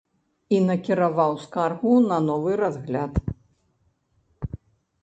І накіраваў скаргу на новы разгляд.